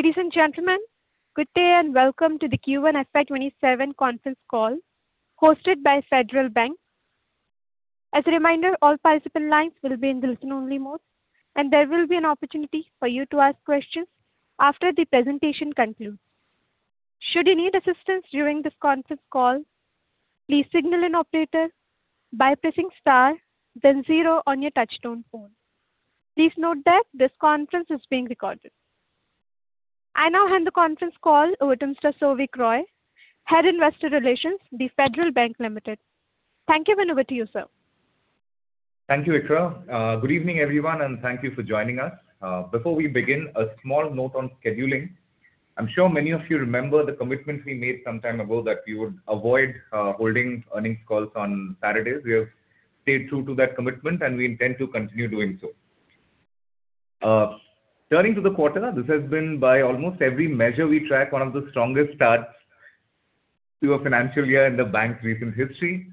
Ladies and gentlemen, good day and welcome to the Q1 FY 2027 conference call hosted by Federal Bank. As a reminder, all participant lines will be in listen only mode, and there will be an opportunity for you to ask questions after the presentation concludes. Should you need assistance during this conference call, please signal an operator by pressing star then zero on your touchtone phone. Please note that this conference is being recorded. I now hand the conference call over to Mr. Souvik Roy, Head-Investor Relations, The Federal Bank Limited. Thank you and over to you, sir. Thank you, Ikra. Good evening, everyone, thank you for joining us. Before we begin, a small note on scheduling. I'm sure many of you remember the commitments we made some time ago that we would avoid holding earnings calls on Saturdays. We have stayed true to that commitment, we intend to continue doing so. Turning to the quarter, this has been, by almost every measure we track, one of the strongest starts to a financial year in the bank's recent history.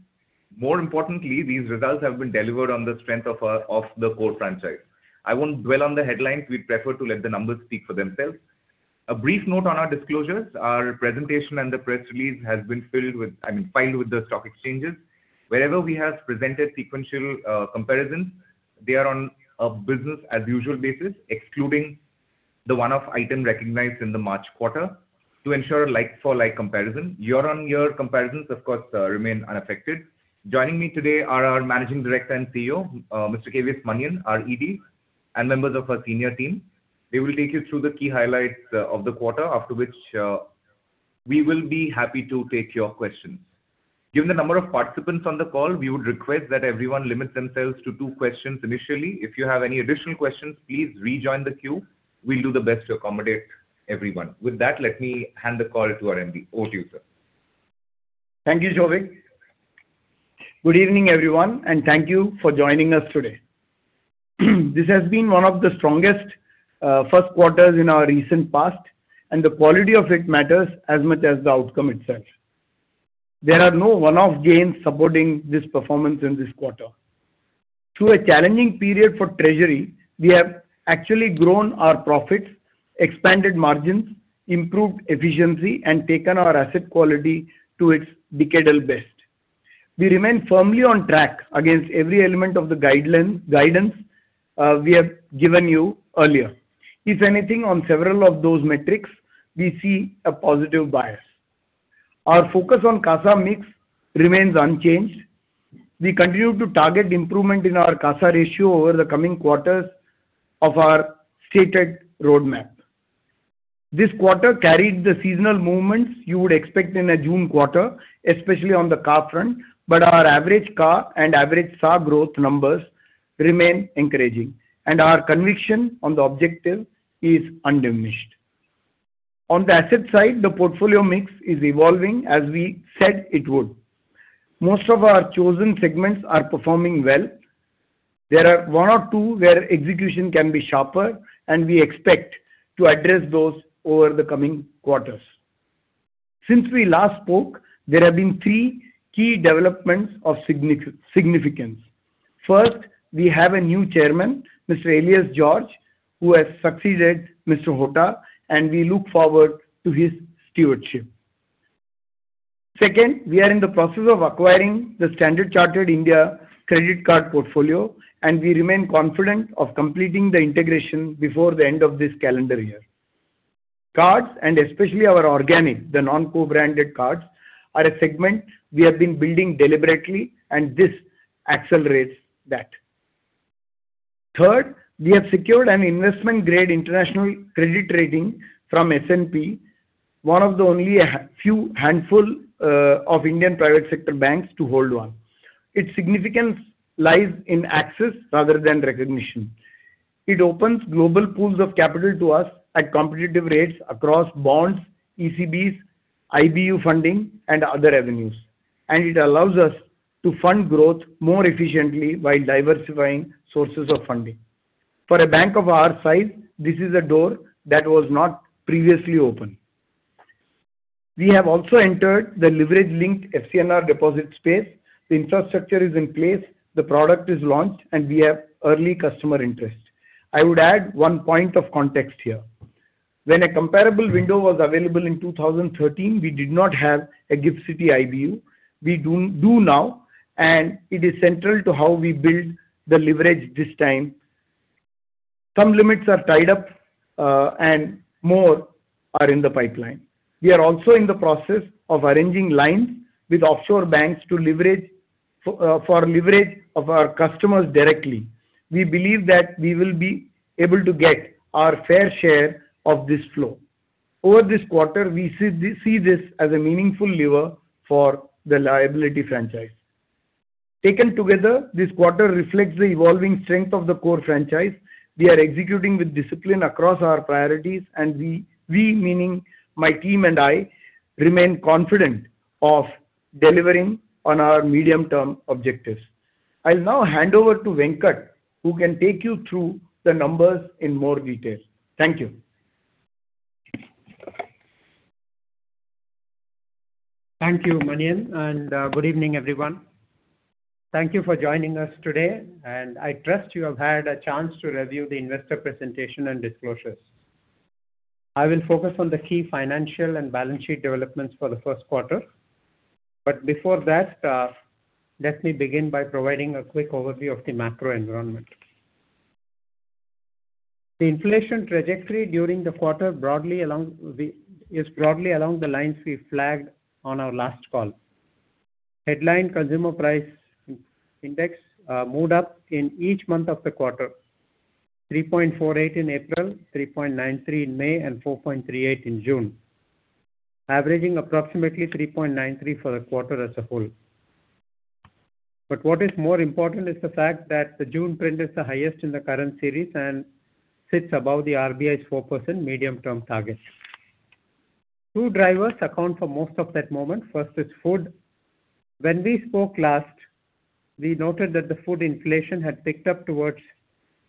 More importantly, these results have been delivered on the strength of the core franchise. I won't dwell on the headlines. We'd prefer to let the numbers speak for themselves. A brief note on our disclosures. Our presentation and the press release has been filed with the stock exchanges. Wherever we have presented sequential comparisons, they are on a business as usual basis, excluding the one-off item recognized in the March quarter to ensure like-for-like comparison. Year-on-year comparisons, of course, remain unaffected. Joining me today are our Managing Director and CEO, Mr. K.V. Manian, our ED, and members of our senior team. They will take you through the key highlights of the quarter, after which we will be happy to take your questions. Given the number of participants on the call, we would request that everyone limit themselves to two questions initially. If you have any additional questions, please rejoin the queue. We'll do the best to accommodate everyone. With that, let me hand the call to our MD. Over to you, sir. Thank you, Souvik. Good evening, everyone, thank you for joining us today. This has been one of the strongest first quarters in our recent past, the quality of it matters as much as the outcome itself. There are no one-off gains supporting this performance in this quarter. Through a challenging period for treasury, we have actually grown our profits, expanded margins, improved efficiency, taken our asset quality to its decadal best. We remain firmly on track against every element of the guidance we have given you earlier. If anything, on several of those metrics, we see a positive bias. Our focus on CASA mix remains unchanged. We continue to target improvement in our CASA ratio over the coming quarters of our stated roadmap. This quarter carried the seasonal movements you would expect in a June quarter, especially on the car front. Our average car and average SA growth numbers remain encouraging, and our conviction on the objective is undiminished. On the asset side, the portfolio mix is evolving as we said it would. Most of our chosen segments are performing well. There are one or two where execution can be sharper, and we expect to address those over the coming quarters. Since we last spoke, there have been three key developments of significance. First, we have a new Chairman, Mr. Elias George, who has succeeded Mr. Hota, and we look forward to his stewardship. Second, we are in the process of acquiring the Standard Chartered India credit card portfolio, and we remain confident of completing the integration before the end of this calendar year. Cards and especially our organic, the non-co-branded cards, are a segment we have been building deliberately and this accelerates that. Third, we have secured an investment-grade international credit rating from S&P, one of the only few handful of Indian private sector banks to hold one. Its significance lies in access rather than recognition. It opens global pools of capital to us at competitive rates across bonds, ECBs, IBU funding and other avenues, and it allows us to fund growth more efficiently while diversifying sources of funding. For a bank of our size, this is a door that was not previously open. We have also entered the leverage linked FCNR deposit space. The infrastructure is in place, the product is launched, and we have early customer interest. I would add one point of context here. When a comparable window was available in 2013, we did not have a GIFT City IBU. We do now, and it is central to how we build the leverage this time. Some limits are tied up, and more are in the pipeline. We are also in the process of arranging lines with offshore banks for leverage of our customers directly. We believe that we will be able to get our fair share of this flow. Over this quarter, we see this as a meaningful lever for the liability franchise. Taken together, this quarter reflects the evolving strength of the core franchise. We are executing with discipline across our priorities and we, meaning my team and I, remain confident of delivering on our medium-term objectives. I'll now hand over to Venkat, who can take you through the numbers in more detail. Thank you. Thank you, Manian, and good evening, everyone. Thank you for joining us today, and I trust you have had a chance to review the investor presentation and disclosures. I will focus on the key financial and balance sheet developments for the first quarter. Before that, let me begin by providing a quick overview of the macro environment. The inflation trajectory during the quarter is broadly along the lines we flagged on our last call. Headline consumer price index moved up in each month of the quarter. 3.48% in April, 3.93% in May, and 4.38% in June, averaging approximately 3.93% for the quarter as a whole. What is more important is the fact that the June print is the highest in the current series and sits above the RBI's 4% medium-term target. Two drivers account for most of that movement. First is food. When we spoke last, we noted that the food inflation had picked up towards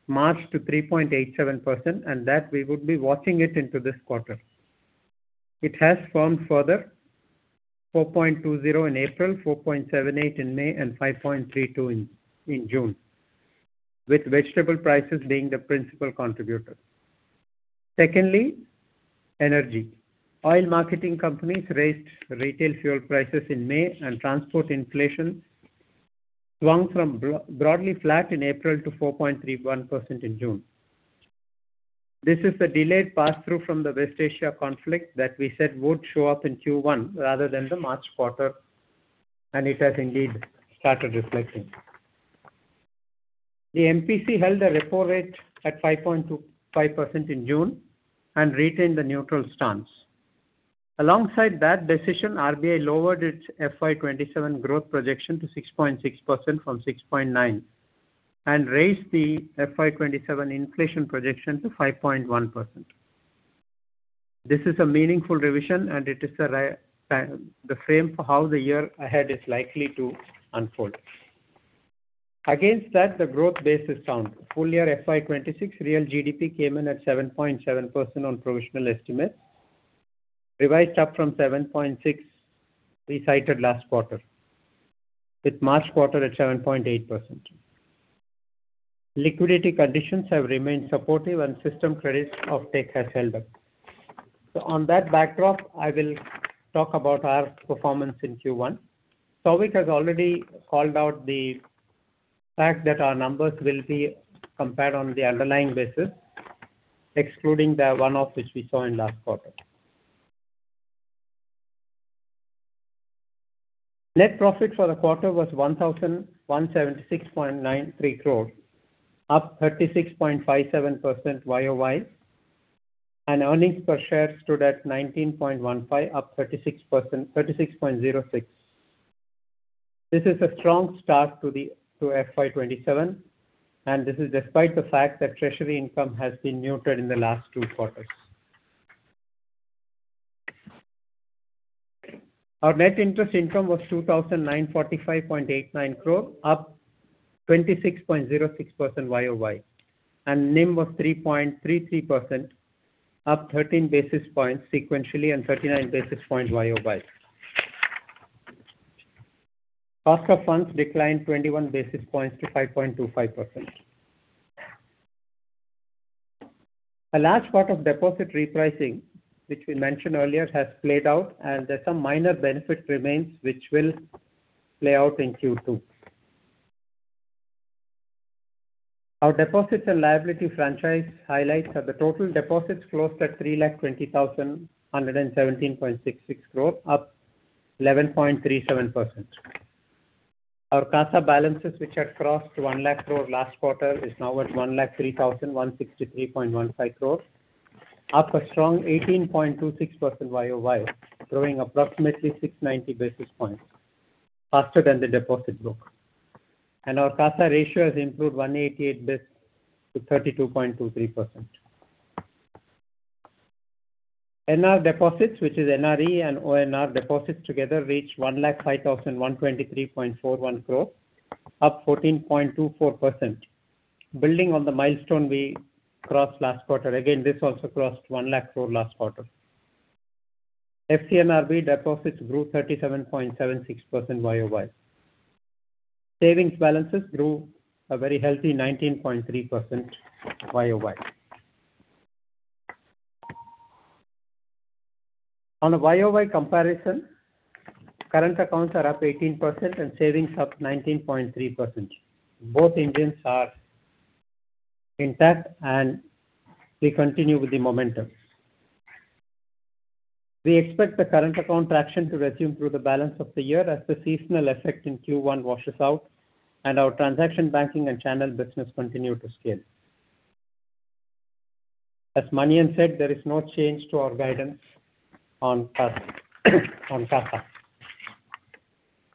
March to 3.87%, and that we would be watching it into this quarter. It has firmed further, 4.20% in April, 4.78% in May, and 5.32% in June, with vegetable prices being the principal contributor. Secondly, Energy. Oil marketing companies raised retail fuel prices in May and transport inflation swung from broadly flat in April to 4.31% in June. This is a delayed pass-through from the West Asia conflict that we said would show up in Q1 rather than the March quarter, and it has indeed started reflecting. The MPC held the repo rate at 5.25% in June and retained a neutral stance. Alongside that decision, RBI lowered its FY 2027 growth projection to 6.6% from 6.9%, and raised the FY 2027 inflation projection to 5.1%. This is a meaningful revision, and it is the frame for how the year ahead is likely to unfold. Against that, the growth base is strong. Full year FY 2026 real GDP came in at 7.7% on provisional estimates, revised up from 7.6% we cited last quarter, with March quarter at 7.8%. Liquidity conditions have remained supportive and system credit offtake has held up. On that backdrop, I will talk about our performance in Q1. Souvik has already called out the fact that our numbers will be compared on the underlying basis, excluding the one-off which we saw in last quarter. Net profit for the quarter was 1,176.93 crore, up 36.57% YOY, and earnings per share stood at 19.15, up 36.06%. This is a strong start to FY 2027, and this is despite the fact that treasury income has been neutral in the last two quarters. Our net interest income was 2,945.89 crore, up 26.06% YOY, and NIM was 3.33%, up 13 basis points sequentially and 39 basis points YOY. Cost of funds declined 21 basis points to 5.25%. A large part of deposit repricing, which we mentioned earlier, has played out, and some minor benefit remains, which will play out in Q2. Our deposits and liability franchise highlights are the total deposits closed at 3,20,117.66 crore, up 11.37%. Our CASA balances, which had crossed 1 lakh crore last quarter, is now at 103,163.15 crore, up a strong 18.26% YOY, growing approximately 690 basis points, faster than the deposit book. Our CASA ratio has improved 188 basis points to 32.23%. NR deposits, which is NRE and ONR deposits together, reached 105,123.41 crore, up 14.24%, building on the milestone we crossed last quarter. Again, this also crossed 1 lakh crore last quarter. FCNRB deposits grew 37.76% YOY. Savings balances grew a very healthy 19.3% YOY. On a YOY comparison, current accounts are up 18% and savings up 19.3%. Both engines are intact, and we continue with the momentum. We expect the current account traction to resume through the balance of the year as the seasonal effect in Q1 washes out, and our transaction banking and channel business continue to scale. As Manian said, there is no change to our guidance on CASA.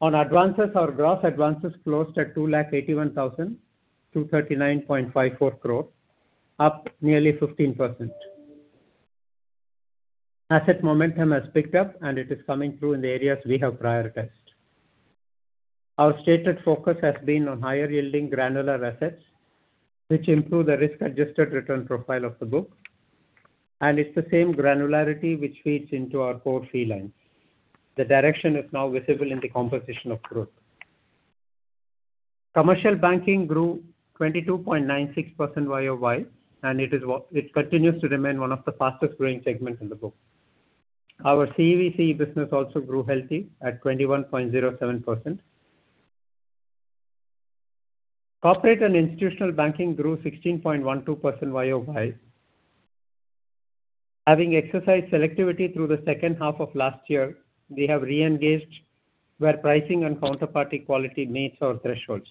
On advances, our gross advances closed at 281,239.54 crore, up nearly 15%. Asset momentum has picked up, and it is coming through in the areas we have prioritized. Our stated focus has been on higher-yielding granular assets, which improve the risk-adjusted return profile of the book, and it's the same granularity which feeds into our core fee lines. The direction is now visible in the composition of growth. Commercial Banking grew 22.96% YOY. It continues to remain one of the fastest-growing segments in the book. Our CV/CE business also grew healthy at 21.07%. Corporate & Institutional Banking grew 16.12% YOY. Having exercised selectivity through the second half of last year, we have reengaged where pricing and counterparty quality meets our thresholds.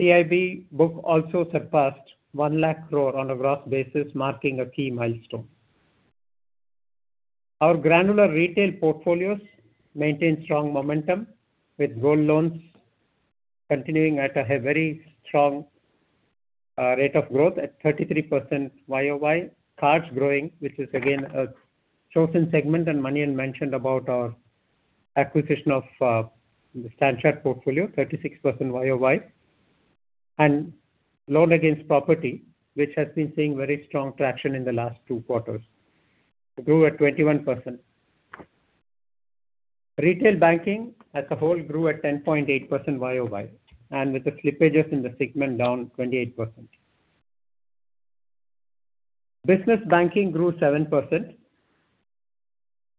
CIB book also surpassed 1 lakh crore on a gross basis, marking a key milestone. Our granular retail portfolios maintain strong momentum, with gold loans continuing at a very strong rate of growth at 33% YOY, Cards growing, which is again a chosen segment. Manian mentioned about our acquisition of the Standard Chartered portfolio, 36% YOY. Loan against property, which has been seeing very strong traction in the last two quarters, grew at 21%. Retail Banking as a whole grew at 10.8% YOY. With the slippages in the segment down 28%. Business Banking grew 7%.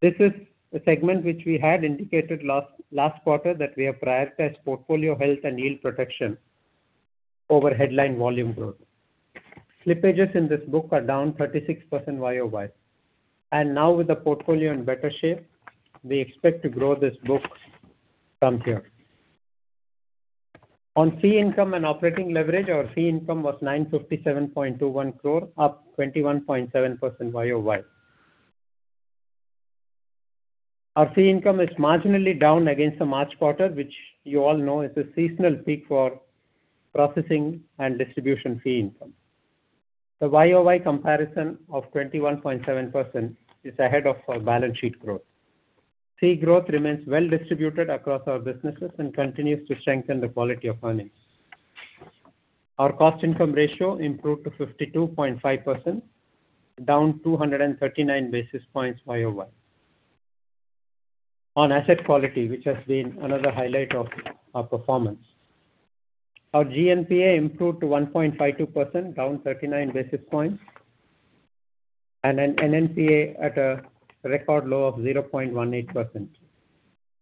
This is a segment which we had indicated last quarter that we have prioritized portfolio health and yield protection over headline volume growth. Slippages in this book are down 36% YOY. Now with the portfolio in better shape, we expect to grow this book from here. On fee income and operating leverage, our fee income was 957.21 crore, up 21.7% YOY. Our fee income is marginally down against the March quarter, which you all know is a seasonal peak for processing and distribution fee income. The YOY comparison of 21.7% is ahead of our balance sheet growth. Fee growth remains well distributed across our businesses and continues to strengthen the quality of earnings. Our cost-income ratio improved to 52.5%, down 239 basis points YOY. On asset quality, which has been another highlight of our performance, our GNPA improved to 1.52%, down 39 basis points. An NNPA at a record low of 0.18%,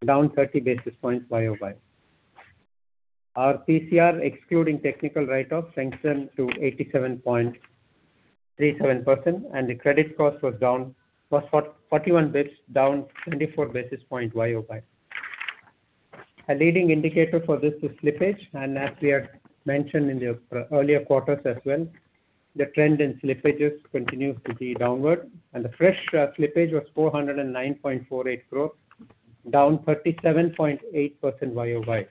down 30 basis points YOY. Our PCR, excluding technical write-offs, strengthened to 87.37%. The credit cost was 41 basis points, down 24 basis points YOY. A leading indicator for this is slippage. As we have mentioned in the earlier quarters as well, the trend in slippages continues to be downward. The fresh slippage was 409.48 crore, down 37.8% YOY.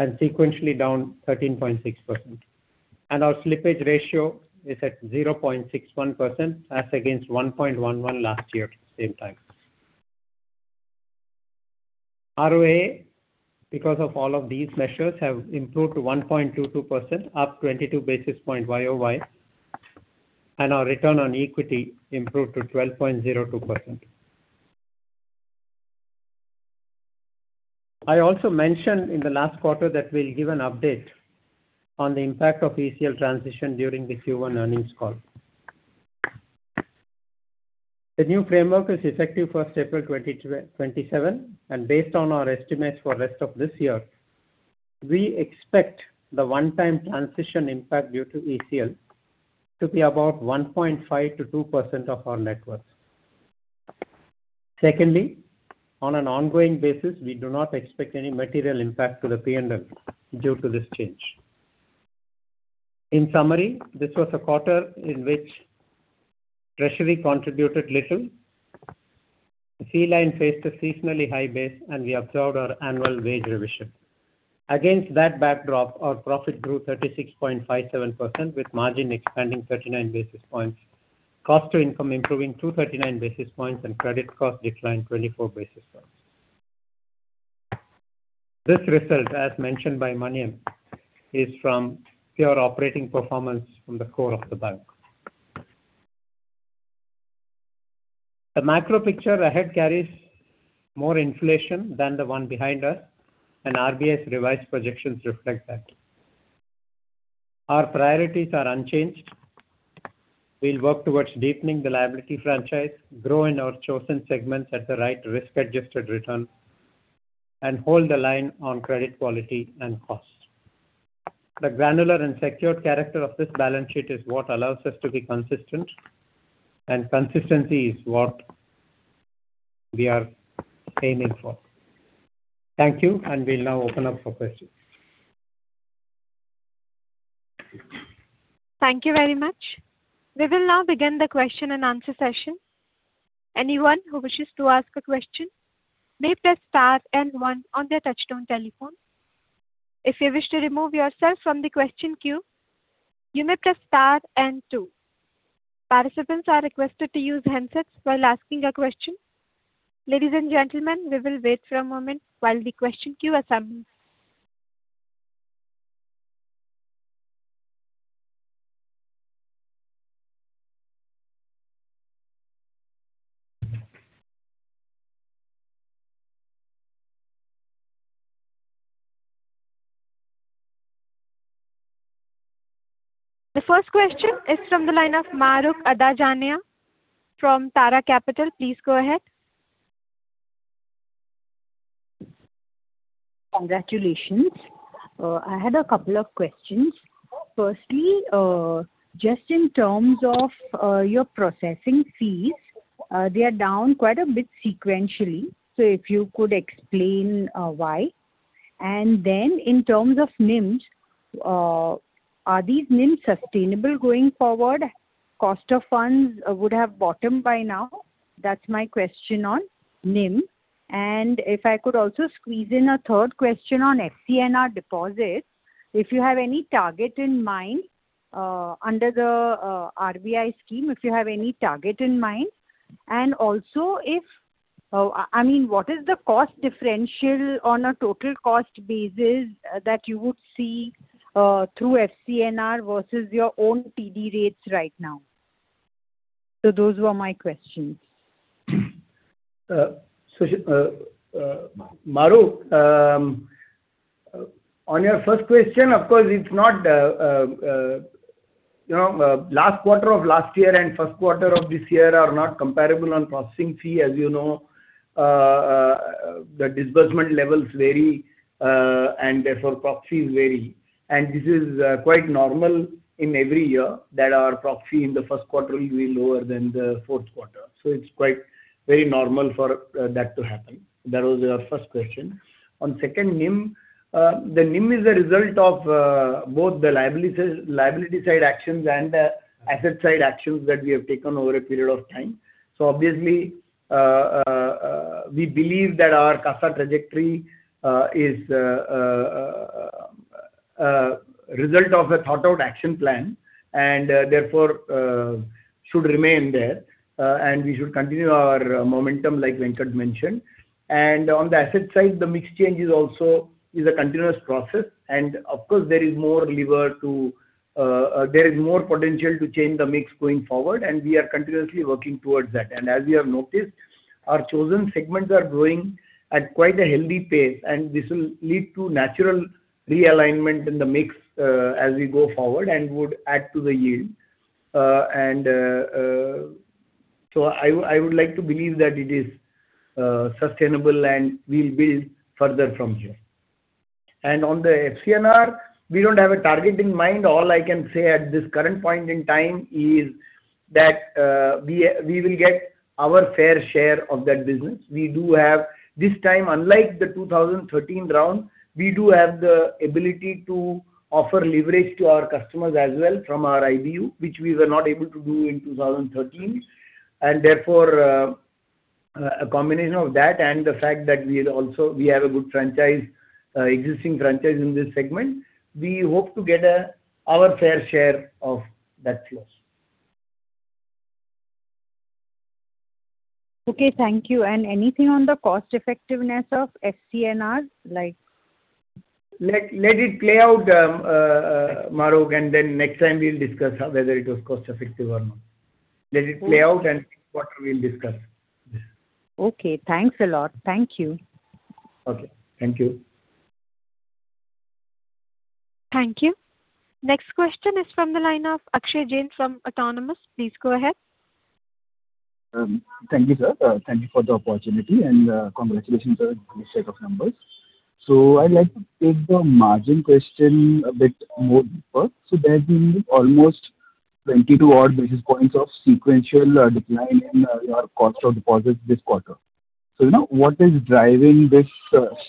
Sequentially down 13.6%. Our slippage ratio is at 0.61% as against 1.11% last year at the same time. ROA, because of all of these measures, have improved to 1.22%, up 22 basis points YOY. Our return on equity improved to 12.02%. I also mentioned in the last quarter that we'll give an update on the impact of ECL transition during the Q1 earnings call. The new framework is effective 1st April 2027. Based on our estimates for rest of this year, we expect the one-time transition impact due to ECL to be about 1.5%-2% of our net worth. Secondly, on an ongoing basis, we do not expect any material impact to the P&L due to this change. In summary, this was a quarter in which Treasury contributed little. Fee line faced a seasonally high base. We observed our annual wage revision. Against that backdrop, our profit grew 36.57% with margin expanding 39 basis points, cost to income improving 239 basis points. Credit cost declined 24 basis points. This result, as mentioned by Manian, is from pure operating performance from the core of the bank. The macro picture ahead carries more inflation than the one behind us. RBI's revised projections reflect that. Our priorities are unchanged. We'll work towards deepening the liability franchise, growing our chosen segments at the right risk-adjusted return, and hold the line on credit quality and cost. The granular and secured character of this balance sheet is what allows us to be consistent, and consistency is what we are aiming for. Thank you. We'll now open up for questions. Thank you very much. We will now begin the question and answer session. Anyone who wishes to ask a question may press star one on their touchtone telephone. If you wish to remove yourself from the question queue, you may press star two. Participants are requested to use handsets while asking a question. Ladies and gentlemen, we will wait for a moment while the question queue assembles. The first question is from the line of Mahrukh Adajania from Tara Capital. Please go ahead. Congratulations. I had a couple of questions. Firstly, just in terms of your processing fees, they are down quite a bit sequentially. If you could explain why? In terms of NIMs, are these NIMs sustainable going forward? Cost of funds would have bottomed by now. That's my question on NIM. If I could also squeeze in a third question on FCNR deposits, if you have any target in mind under the RBI scheme, if you have any target in mind. Also, what is the cost differential on a total cost basis that you would see through FCNR versus your own TD rates right now? Those were my questions. Mahrukh, on your first question, of course, last quarter of last year, first quarter of this year are not comparable on processing fee. As you know, the disbursement levels vary, therefore prop fees vary. This is quite normal in every year that our prop fee in the first quarter will be lower than the fourth quarter. It's quite very normal for that to happen. That was your first question. On second, NIM. The NIM is a result of both the liability side actions and the asset side actions that we have taken over a period of time. Obviously, we believe that our CASA trajectory is a result of a thought-out action plan and, therefore, should remain there. We should continue our momentum like Venkat mentioned. On the asset side, the mix change is also a continuous process, of course, there is more potential to change the mix going forward, we are continuously working towards that. As we have noticed, our chosen segments are growing at quite a healthy pace, this will lead to natural realignment in the mix as we go forward, would add to the yield. I would like to believe that it is sustainable, will build further from here. On the FCNR, we don't have a target in mind. All I can say at this current point in time is that we will get our fair share of that business. This time, unlike the 2013 round, we do have the ability to offer leverage to our customers as well from our IBU, which we were not able to do in 2013, therefore a combination of that, the fact that we have a good existing franchise in this segment, we hope to get our fair share of that flow. Okay, thank you. Anything on the cost effectiveness of FCNR? Let it play out, Mahrukh, then next time we'll discuss whether it was cost-effective or not. Let it play out, quarter we'll discuss. Okay. Thanks a lot. Thank you. Okay. Thank you. Thank you. Next question is from the line of Akshay Jain from Autonomous. Please go ahead. Thank you, sir. Thank you for the opportunity and congratulations on this set of numbers. I'd like to take the margin question a bit more deeper. There has been almost 22 odd basis points of sequential decline in your cost of deposits this quarter. Now, what is driving this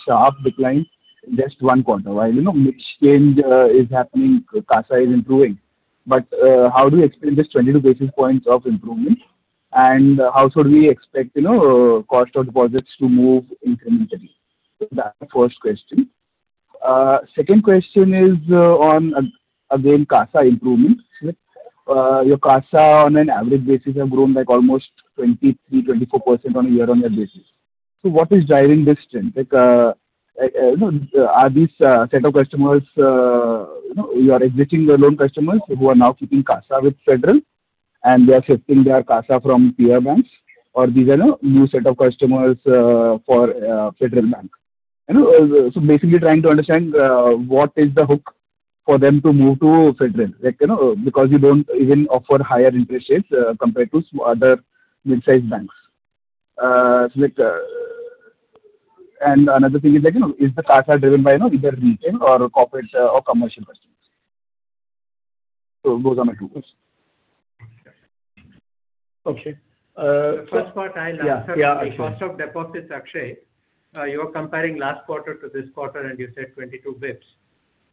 sharp decline in just one quarter? While mix change is happening, CASA is improving. How do you explain this 22 basis points of improvement? How should we expect cost of deposits to move incrementally? That's the first question. Second question is on, again, CASA improvements. Your CASA on an average basis have grown like almost 23%, 24% on a year-on-year basis. What is driving this trend? Are these set of customers your existing loan customers who are now keeping CASA with Federal, and they are shifting their CASA from peer banks, or these are new set of customers for Federal Bank? Basically trying to understand what is the hook for them to move to Federal because you don't even offer higher interest rates compared to other midsize banks. Another thing is the CASA driven by either retail or corporate or commercial customers? Those are my two questions. Okay. The first part I'll answer. Yeah, Akshay. The cost of deposits, Akshay, you're comparing last quarter to this quarter, and you said 22 basis points.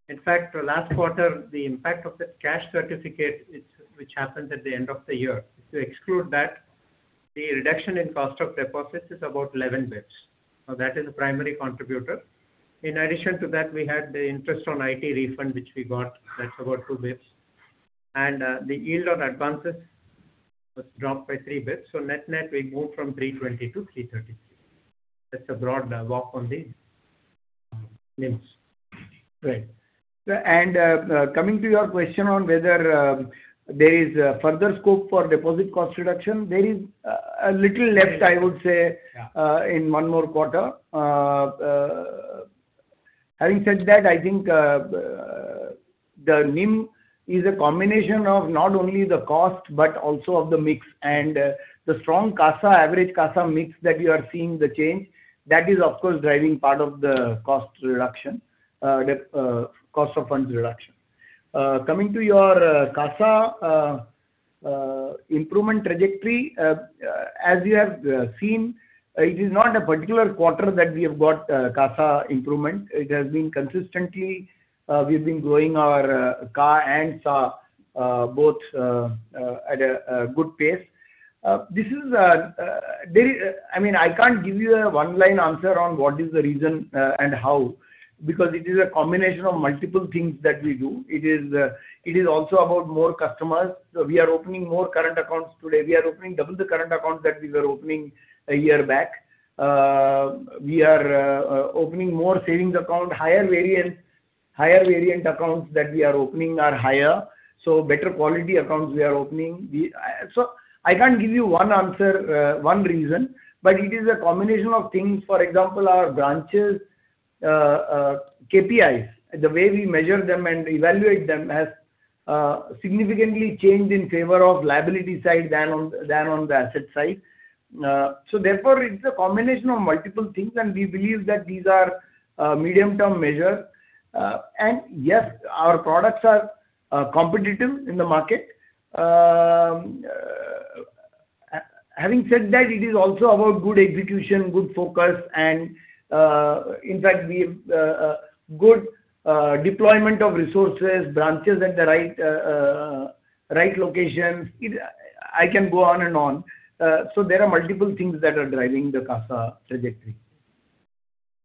In fact, last quarter, the impact of the cash certificate, which happens at the end of the year, if you exclude that The reduction in cost of deposits is about 11 basis. That is the primary contributor. In addition to that, we had the interest on IT refund, which we got. That's about 2 basis. The yield on advances was dropped by 3 basis. Net-net, we moved from 320 to 333 basis points. That's a broad walk on the NIMs. Great. Coming to your question on whether there is further scope for deposit cost reduction, there is a little left, I would say. Yeah in one more quarter. Having said that, I think the NIM is a combination of not only the cost but also of the mix and the strong CASA, average CASA mix that you are seeing the change. That is, of course, driving part of the cost reduction, cost of funds reduction. Coming to your CASA improvement trajectory, as you have seen, it is not a particular quarter that we have got CASA improvement. It has been consistently, we've been growing our CA and SA both at a good pace. I can't give you a one-line answer on what is the reason and how, because it is a combination of multiple things that we do. It is also about more customers. We are opening more current accounts today. We are opening double the current accounts that we were opening one year back. We are opening more savings account, higher variant accounts that we are opening are higher, so better quality accounts we are opening. I can't give you one answer, one reason, but it is a combination of things. For example, our branches' KPIs, the way we measure them and evaluate them has significantly changed in favor of liability side than on the asset side. Therefore, it's a combination of multiple things, and we believe that these are medium-term measures. Yes, our products are competitive in the market. Having said that, it is also about good execution, good focus, and in fact, good deployment of resources, branches at the right locations. I can go on and on. There are multiple things that are driving the CASA trajectory.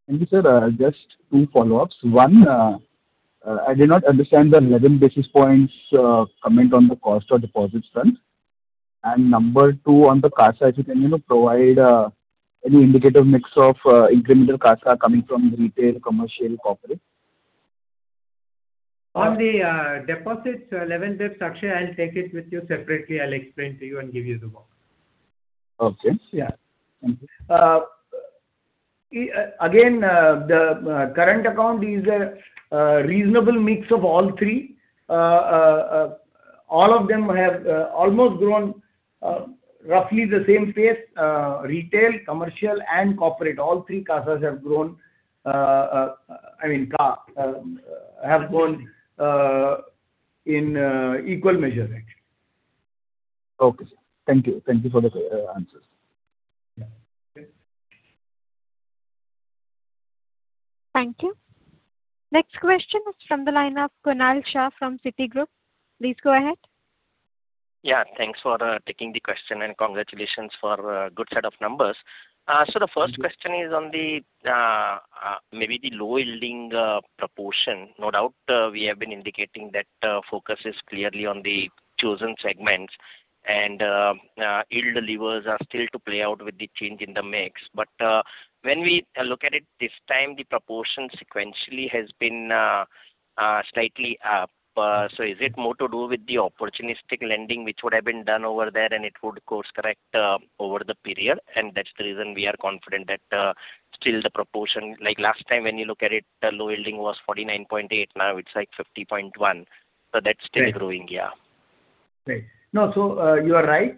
Thank you, sir. Just two follow-ups. One, I did not understand the 11 basis points comment on the cost of deposits front. Number two, on the CASA, if you can provide any indicative mix of incremental CASA coming from retail, commercial, corporate. On the deposits, 11 basis, Akshay, I'll take it with you separately. I'll explain to you and give you the walk. Okay. Yeah. Again, the current account is a reasonable mix of all three. All of them have almost grown roughly the same pace. Retail, commercial, and corporate, all three CASAs have grown, I mean, have grown in equal measure, actually. Okay, sir. Thank you. Thank you for the answers. Yeah. Thank you. Next question is from the line of Kunal Shah from Citigroup. Please go ahead. Thanks for taking the question and congratulations for a good set of numbers. The first question is on maybe the low-yielding proportion. No doubt, we have been indicating that focus is clearly on the chosen segments and yield levers are still to play out with the change in the mix. When we look at it this time, the proportion sequentially has been slightly up. Is it more to do with the opportunistic lending, which would have been done over there and it would course correct over the period, and that's the reason we are confident that still the proportion, like last time when you look at it, the low yielding was 49.8%, now it's like 50.1%. That's still growing. Right. You are right.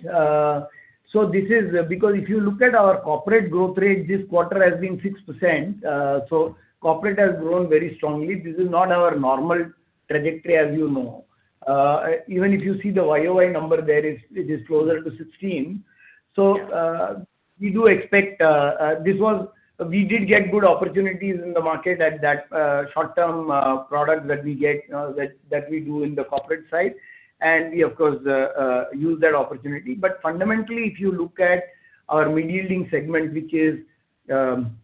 If you look at our Corporate growth rate, this quarter has been 6%. Corporate has grown very strongly. This is not our normal trajectory, as you know. Even if you see the YOY number there, it is closer to 16%. We do expect, we did get good opportunities in the market at that short-term product that we do in the Corporate side, and we, of course, used that opportunity. Fundamentally, if you look at our mid-yielding segment, which is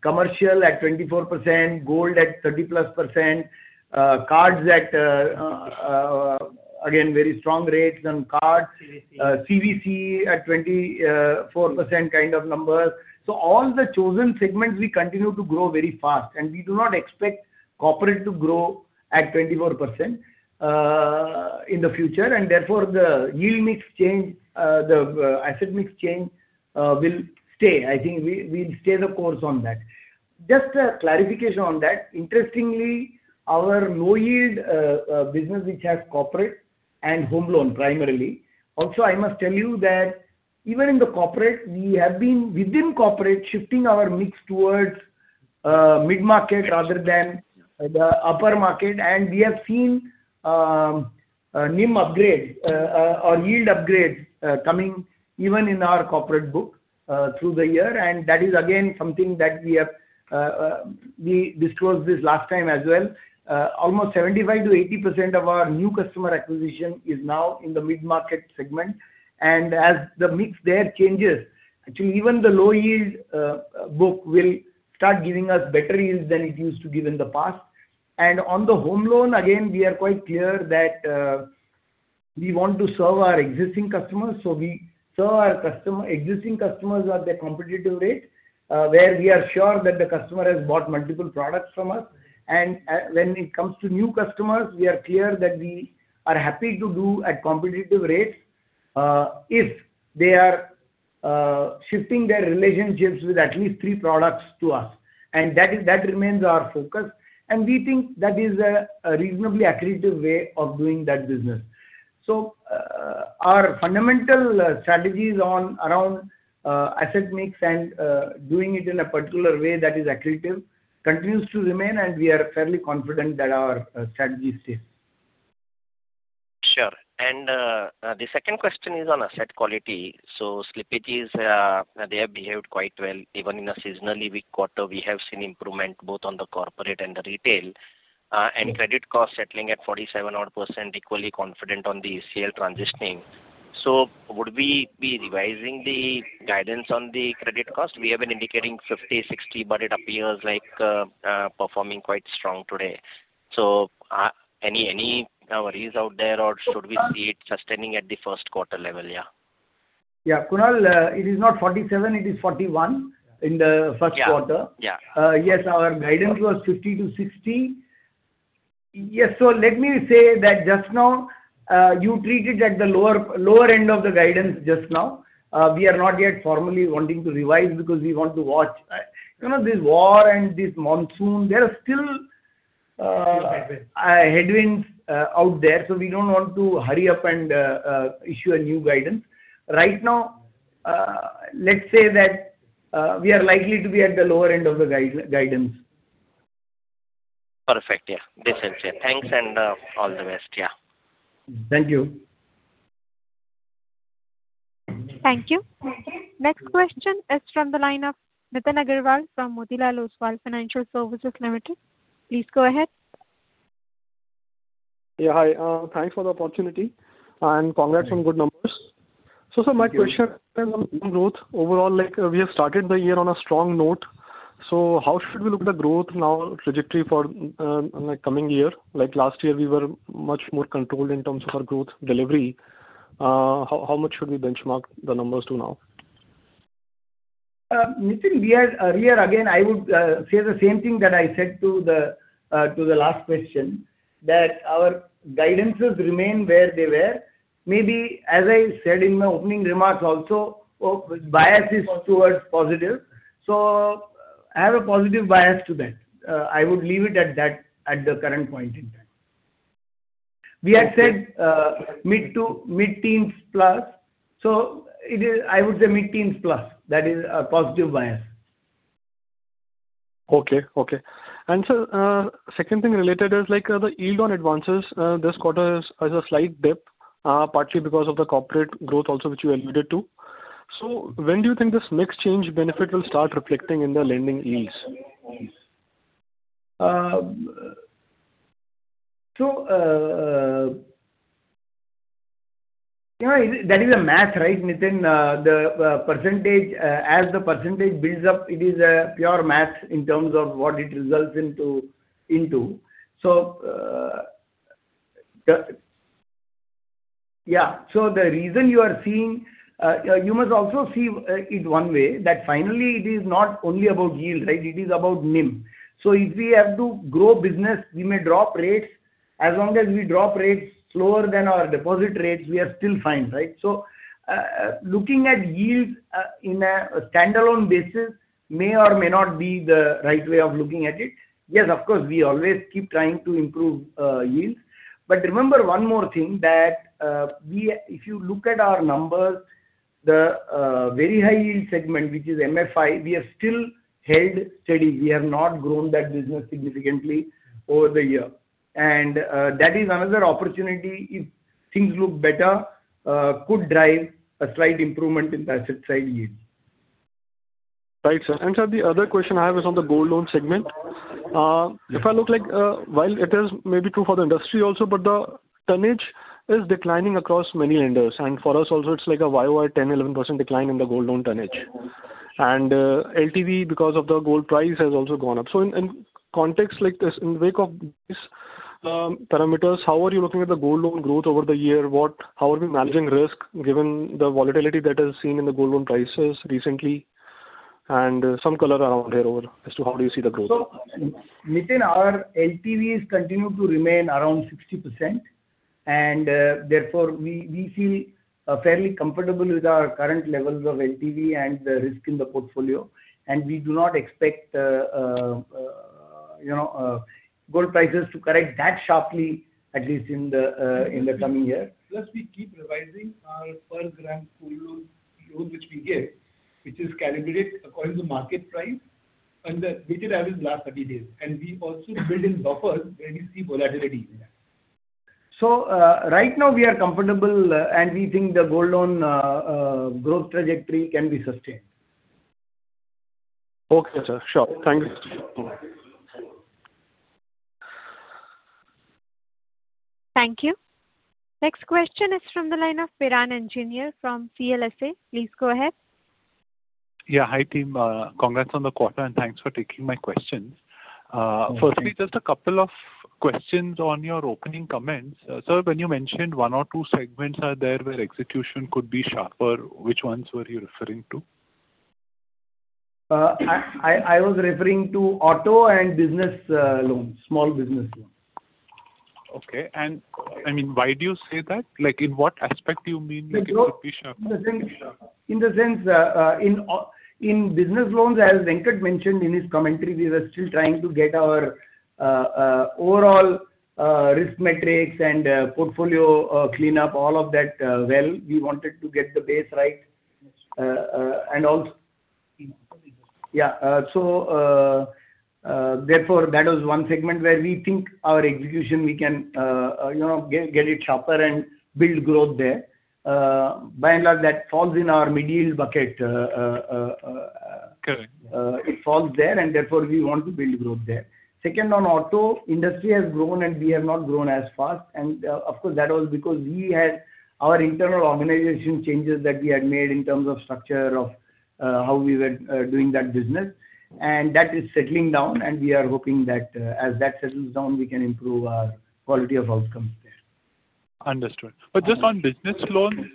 commercial at 24%, gold at 30+%, cards at, again, very strong rates on cards- CV/CE. CV/CE at 24% kind of numbers. All the chosen segments, we continue to grow very fast, and we do not expect Corporate to grow at 24% in the future, and therefore the yield mix change, the asset mix change will stay. I think we'll stay the course on that. Just a clarification on that. Interestingly, our low-yield business, which has Corporate and home loan primarily. Also, I must tell you that even in the Corporate, we have been, within Corporate, shifting our mix towards mid-market rather than the upper market, and we have seen NIM upgrade or yield upgrade coming even in our Corporate book through the year. That is again, something that we disclosed this last time as well. Almost 75%-80% of our new customer acquisition is now in the mid-market segment. As the mix there changes, actually, even the low yield book will start giving us better yields than it used to give in the past. On the home loan, again, we are quite clear that we want to serve our existing customers so we serve our existing customers at their competitive rate where we are sure that the customer has bought multiple products from us. When it comes to new customers, we are clear that we are happy to do at competitive rates if they are shifting their relationships with at least three products to us. That remains our focus, and we think that is a reasonably accretive way of doing that business. Our fundamental strategies around asset mix and doing it in a particular way that is accretive continues to remain, and we are fairly confident that our strategy is safe. Sure. The second question is on asset quality. Slippages, they have behaved quite well. Even in a seasonally weak quarter, we have seen improvement both on the corporate and the retail. Credit costs settling at 47-odd %, equally confident on the ACL transitioning. Would we be revising the guidance on the credit cost? We have been indicating 50%-60%, but it appears like performing quite strong today. Any worries out there or should we see it sustaining at the first quarter level? Kunal, it is not 47%, it is 41% in the first quarter. Yeah. Yes, our guidance was 50%-60%. Let me say that just now, you treat it at the lower end of the guidance just now. We are not yet formally wanting to revise because we want to watch. This war and this monsoon, there are still. Headwinds headwinds out there, we don't want to hurry up and issue a new guidance. Right now, let's say that we are likely to be at the lower end of the guidance. Perfect, yeah. Thanks, all the best, yeah. Thank you. Thank you. Next question is from the line of Nitin Aggarwal from Motilal Oswal Financial Services Limited. Please go ahead. Hi. Thanks for the opportunity and congrats on good numbers. Sir, my question is on growth. Overall, we have started the year on a strong note. How should we look at the growth now trajectory for coming year? Like last year, we were much more controlled in terms of our growth delivery. How much should we benchmark the numbers to now? Nitin, earlier again, I would say the same thing that I said to the last question, that our guidances remain where they were. Maybe as I said in my opening remarks also, bias is towards positive. I have a positive bias to that. I would leave it at that at the current point in time. We had said mid-teens plus, I would say mid-teens plus. That is a positive bias. Okay. Sir, second thing related is the yield on advances this quarter has a slight dip, partly because of the corporate growth also, which you alluded to. When do you think this mix change benefit will start reflecting in the lending yields? That is a math, right, Nitin? As the percentage builds up, it is a pure math in terms of what it results into. You must also see it one way, that finally it is not only about yield, it is about NIM. If we have to grow business, we may drop rates. As long as we drop rates slower than our deposit rates, we are still fine, right? Looking at yields in a standalone basis may or may not be the right way of looking at it. Yes, of course, we always keep trying to improve yields. Remember one more thing, that if you look at our numbers, the very high yield segment, which is MFI, we are still held steady. We have not grown that business significantly over the year. That is another opportunity if things look better, could drive a slight improvement in asset side yield. Right, sir. Sir, the other question I have is on the gold loan segment. While it is maybe true for the industry also, but the tonnage is declining across many lenders, and for us also, it's a YOY 10%-11% decline in the gold loan tonnage. LTV, because of the gold price, has also gone up. In context like this, in wake of these parameters, how are you looking at the gold loan growth over the year? How are we managing risk given the volatility that is seen in the gold loan prices recently? Some color around there as to how do you see the growth? Nitin, our LTVs continue to remain around 60%. Therefore, we feel fairly comfortable with our current levels of LTV and the risk in the portfolio, and we do not expect gold prices to correct that sharply, at least in the coming year. Plus, we keep revising our per gram gold loan which we give, which is calibrated according to market price The weighted average last 30 days. We also build in buffers when we see volatility. Right now we are comfortable, and we think the gold loan growth trajectory can be sustained. Okay, sir. Sure. Thank you. Thank you. Next question is from the line of Biren Engineer from CLSA. Please go ahead. Yeah. Hi, team. Congrats on the quarter, and thanks for taking my questions. Oh, thanks. Firstly, just a couple of questions on your opening comments. Sir, when you mentioned one or two segments are there where execution could be sharper, which ones were you referring to? I was referring to auto and business loans, small business loans. Okay. Why do you say that? In what aspect do you mean it could be sharper? In the sense, in business loans, as Venkat mentioned in his commentary, we are still trying to get our overall risk metrics and portfolio cleanup, all of that well. We wanted to get the base right. Yeah. Therefore, that was one segment where we think our execution, we can get it sharper and build growth there. By and large, that falls in our medial bucket. Correct. It falls there, and therefore, we want to build growth there. Second, on auto, industry has grown and we have not grown as fast. Of course, that was because we had our internal organization changes that we had made in terms of structure of how we were doing that business. That is settling down, and we are hoping that as that settles down, we can improve our quality of outcomes there. Understood. Just on business loans,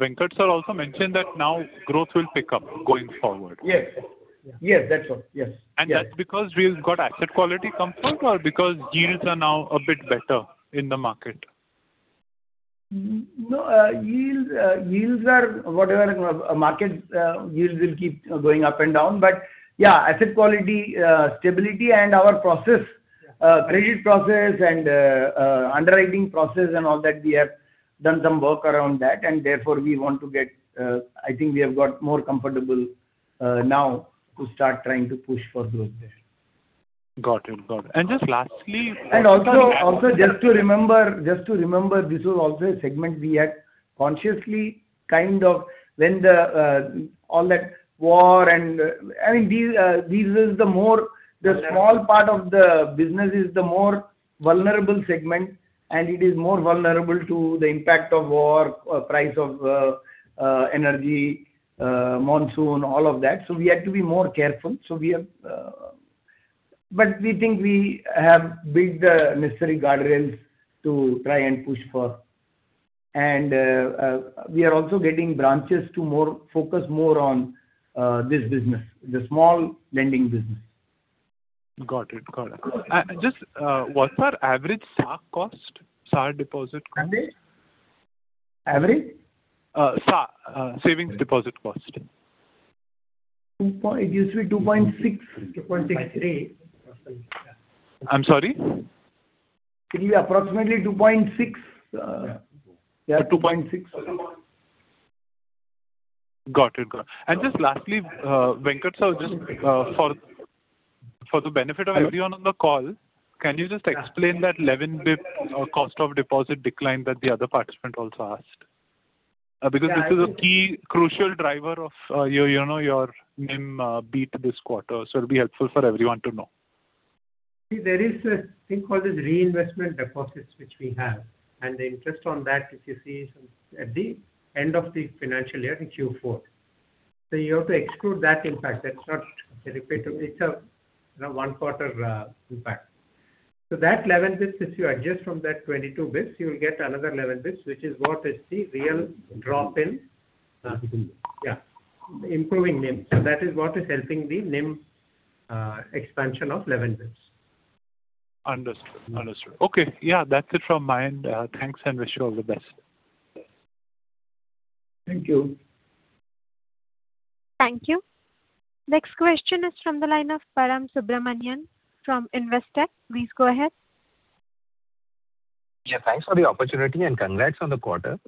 Venkat sir also mentioned that now growth will pick up going forward. Yes. That's right. Yes. That's because we've got asset quality comfort or because yields are now a bit better in the market? No. Market yields will keep going up and down. Yeah, asset quality, stability and our credit process and underwriting process and all that, we have done some work around that and therefore I think we have got more comfortable now to start trying to push for growth there. Got it. Just lastly. Also, just to remember, this was also a segment we had consciously. The small part of the business is the more vulnerable segment, and it is more vulnerable to the impact of war, price of energy, monsoon, all of that. We had to be more careful. We think we have built the necessary guardrails to try and push for. We are also getting branches to focus more on this business, the small lending business. Got it. Just what's our average SA cost, SA deposit cost? Average? SA, savings deposit cost. It gives me 2.63%. I'm sorry. It will be approximately 2.6%. Yeah, 2.6%. Just lastly, Venkat sir, just for the benefit of everyone on the call, can you just explain that 11 basis cost of deposit decline that the other participant also asked? Because this is a key crucial driver of your NIM beat this quarter. It'll be helpful for everyone to know. There is a thing called reinvestment deposits, which we have, and the interest on that, if you see at the end of the financial year in Q4. You have to exclude that impact. That's not repetitive. It's a one-quarter impact. That 11 basis, if you adjust from that 22 basis, you will get another 11 basis, which is what is the real drop in- Improving NIM. Yeah, improving NIM. That is what is helping the NIM expansion of 11 basis. Understood. Okay. Yeah, that's it from my end. Thanks and wish you all the best. Thank you. Thank you. Next question is from the line of Param Subramanian from Investec. Please go ahead. Thanks for the opportunity and congrats on the quarter.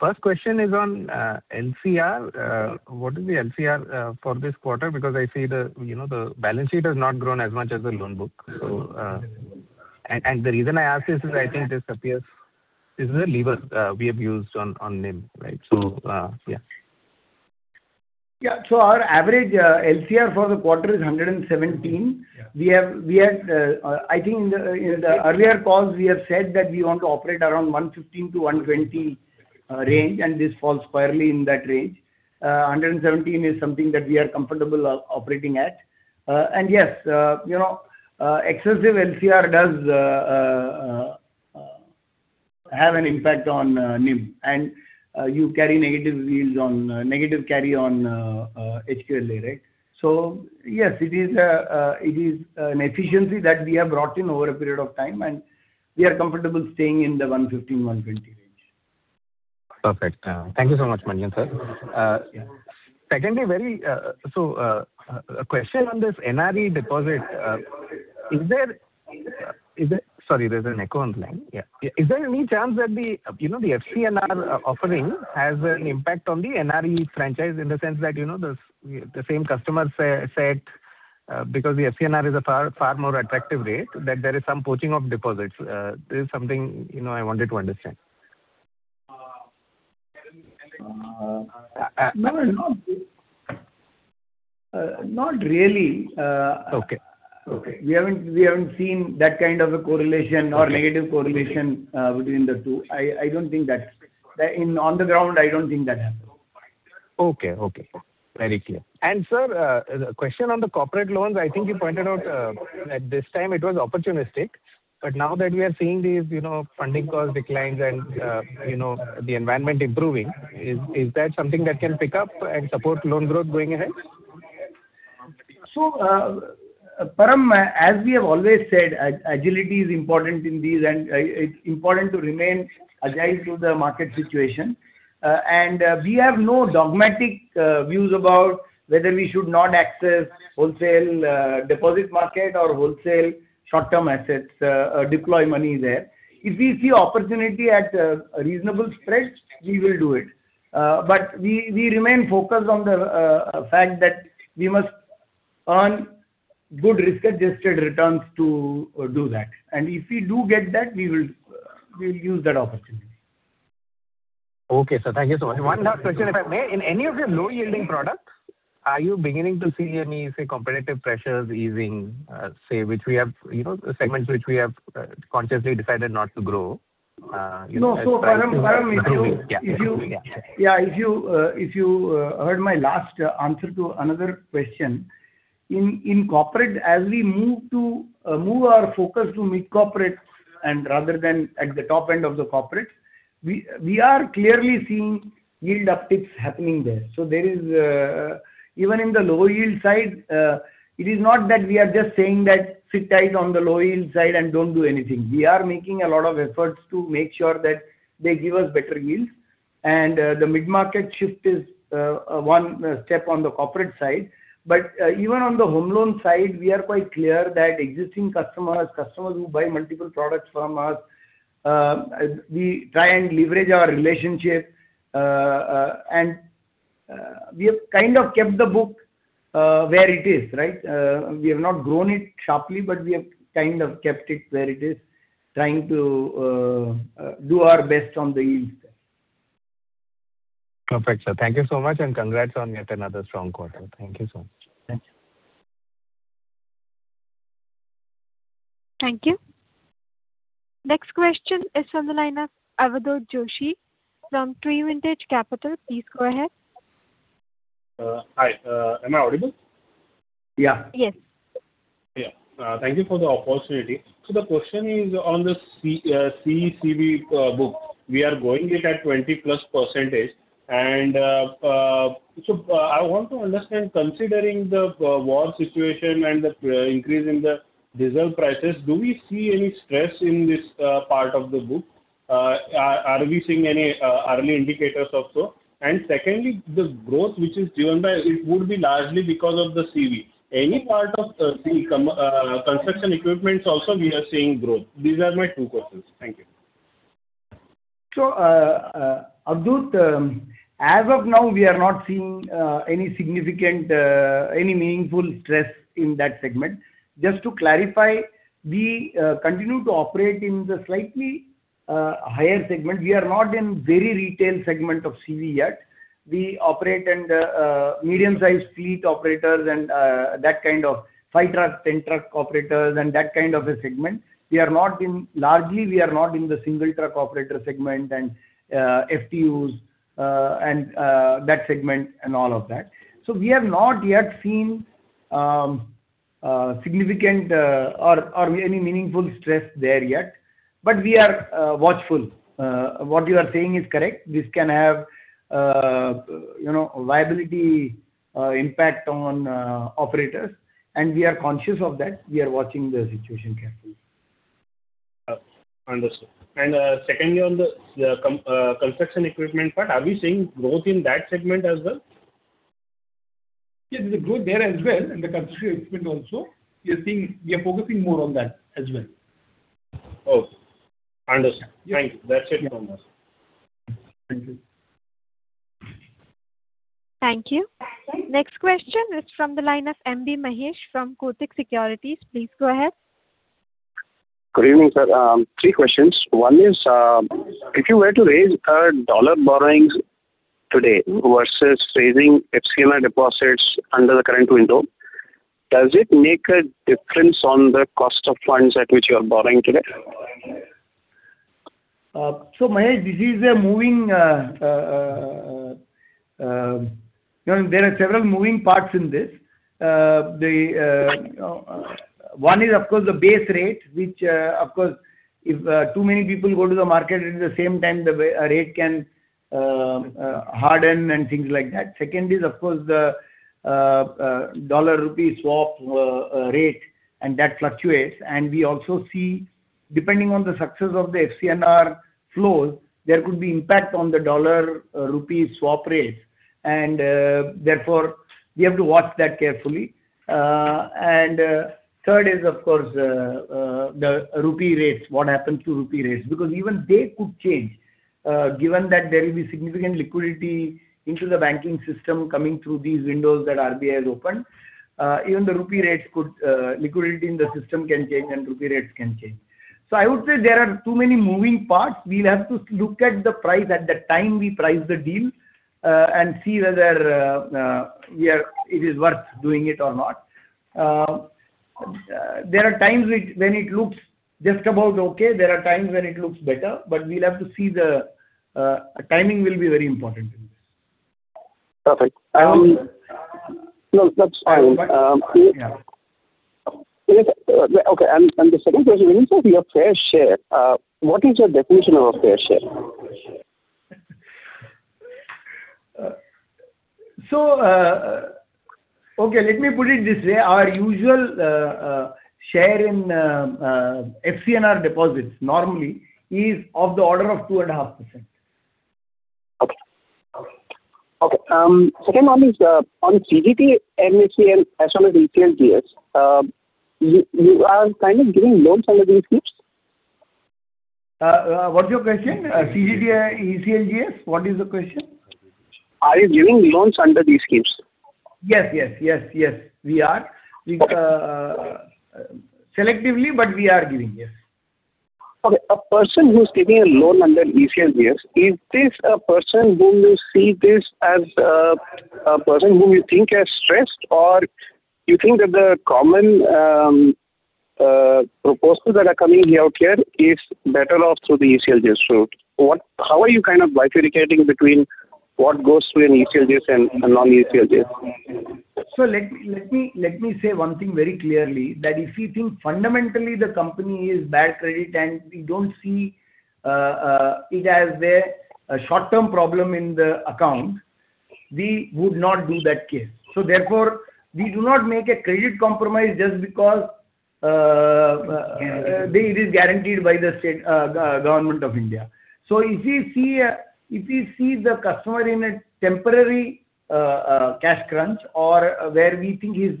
First question is on LCR. What is the LCR for this quarter? Because I see the balance sheet has not grown as much as the loan book. The reason I ask this is I think this appears this is a lever we have used on NIM, right? Our average LCR for the quarter is 117%. Yeah. I think in the earlier calls, we have said that we want to operate around 115%-120% range, and this falls squarely in that range. 117% is something that we are comfortable operating at. Yes, excessive LCR does have an impact on NIM and you carry negative yield on negative carry on HQLA, right? Yes, it is an efficiency that we have brought in over a period of time, and we are comfortable staying in the 115%, 120% range. Perfect. Thank you so much, Manian sir. Yeah. Secondly, a question on this NRE deposit. Sorry, there's an echo on the line. Yeah. Is there any chance that the FCNR offering has an impact on the NRE franchise in the sense that, the same customer set because the FCNR is a far more attractive rate, that there is some poaching of deposits? This is something I wanted to understand. No, not really. Okay. We haven't seen that kind of a correlation or negative correlation between the two. On the ground, I don't think that's happened. Okay. Very clear. Sir, question on the corporate loans. I think you pointed out at this time it was opportunistic, but now that we are seeing these funding cost declines and the environment improving, is that something that can pick up and support loan growth going ahead? Param, as we have always said, agility is important in these and it's important to remain agile to the market situation. We have no dogmatic views about whether we should not access wholesale deposit market or wholesale short-term assets, deploy money there. If we see opportunity at a reasonable spread, we will do it. We remain focused on the fact that we must earn good risk-adjusted returns to do that. If we do get that, we'll use that opportunity. Okay, sir. Thank you so much. One last question, if I may. In any of your low-yielding products, are you beginning to see any, say, competitive pressures easing? No. Param. Yeah If you heard my last answer to another question, in Corporate, as we move our focus to mid-corporate and rather than at the top end of the corporate, we are clearly seeing yield upticks happening there. Even in the low yield side, it is not that we are just saying that sit tight on the low yield side and don't do anything. We are making a lot of efforts to make sure that they give us better yields and the mid-market shift is one step on the Corporate side. Even on the home loan side, we are quite clear that existing customers who buy multiple products from us, we try and leverage our relationship. We have kind of kept the book where it is. We have not grown it sharply, but we have kind of kept it where it is, trying to do our best on the yield side. Perfect, sir. Thank you so much and congrats on yet another strong quarter. Thank you so much. Thanks. Thank you. Next question is from the line of Avadhoot Joshi from Trivantage Capital. Please go ahead. Hi. Am I audible? Yeah. Yes. Yeah. Thank you for the opportunity. The question is on the CE/CV book. We are growing it at 20+%. I want to understand, considering the war situation and the increase in the diesel prices, do we see any stress in this part of the book? Are we seeing any early indicators of so? Secondly, the growth which is driven by it would be largely because of the CV. Any part of the construction equipment also we are seeing growth? These are my two questions. Thank you. Avadhoot, as of now, we are not seeing any significant, any meaningful stress in that segment. Just to clarify, we continue to operate in the slightly higher segment. We are not in very retail segment of CV yet. We operate in the medium-sized fleet operators and that kind of five truck, 10 truck operators and that kind of a segment. Largely, we are not in the single truck operator segment and FTUs, and that segment and all of that. We have not yet seen significant or any meaningful stress there yet, but we are watchful. What you are saying is correct. This can have a liability impact on operators, and we are conscious of that. We are watching the situation carefully. Understood. Secondly, on the construction equipment part, are we seeing growth in that segment as well? Yes, there's a growth there as well, in the construction equipment also. We are focusing more on that as well. Okay. Understood. Yeah. Thank you. That's it from us. Thank you. Thank you. Next question is from the line of M.B. Mahesh from Kotak Securities. Please go ahead. Good evening, sir. Three questions. One is, if you were to raise dollar borrowings today versus raising FCNR deposits under the current window, does it make a difference on the cost of funds at which you are borrowing today? Mahesh, there are several moving parts in this. One is, of course, the base rate, which of course, if too many people go to the market at the same time, the rate can harden and things like that. Second is, of course, the dollar-rupee swap rate, that fluctuates. We also see, depending on the success of the FCNR flows, there could be impact on the dollar-rupee swap rates. Therefore, we have to watch that carefully. Third is, of course, the rupee rates, what happens to rupee rates. Even they could change, given that there will be significant liquidity into the banking system coming through these windows that RBI has opened. Even the rupee rates could liquidity in the system can change and rupee rates can change. I would say there are too many moving parts. We'll have to look at the price at the time we price the deal and see whether it is worth doing it or not. There are times when it looks just about okay, there are times when it looks better, but we'll have to see the timing will be very important in this. Perfect. No, that's fine. Yeah. Okay. The second question, you said your fair share, what is your definition of a fair share? Okay, let me put it this way. Our usual share in FCNR deposits normally is of the order of 2.5%. Okay. Second one is on CGT, MSME and as well as ECLGS. You are kind of giving loans under these schemes? What's your question? CGT, ECLGS, what is the question? Are you giving loans under these schemes? Yes. We are. Okay. Selectively, but we are giving, yes. Okay. A person who's taking a loan under ECLGS, is this a person whom you see this as a person whom you think as stressed, or you think that the common proposals that are coming out here is better off through the ECLGS route? How are you kind of bifurcating between what goes through an ECLGS and non-ECLGS? Let me say one thing very clearly, that if we think fundamentally the company is bad credit and we don't see it as their short-term problem in the account, we would not do that case. Therefore, we do not make a credit compromise just because it is guaranteed by the Government of India. If we see the customer in a temporary cash crunch or where we think his